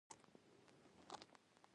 ه وروستيو مياشتو کې دواړو لورو